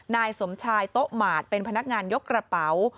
นายสมชายโต๊ะหมาดเป็นพนักงานยกกระเป๋า